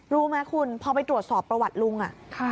รู้ไหมคุณพอไปตรวจสอบประวัติลุง